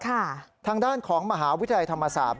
ทางด้านของมหาวิทยาลัยธรรมศาสตร์